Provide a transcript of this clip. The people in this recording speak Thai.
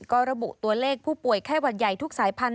ก็ระบุตัวเลขผู้ป่วยไข้หวัดใหญ่ทุกสายพันธุ